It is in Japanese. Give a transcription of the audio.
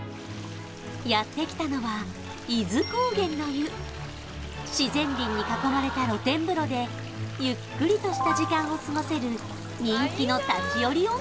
やってきたのは伊豆高原の湯自然林に囲まれた露天風呂でゆっくりとした時間を過ごせる人気の立ち寄り